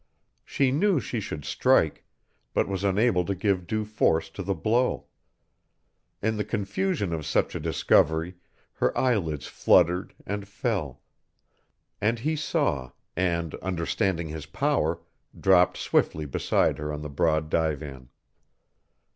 She knew she should strike, but was unable to give due force to the blow. In the confusion of such a discovery, her eyelids fluttered and fell. And he saw, and, understanding his power, dropped swiftly beside her on the broad divan.